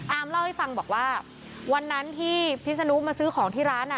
เล่าให้ฟังบอกว่าวันนั้นที่พิศนุมาซื้อของที่ร้าน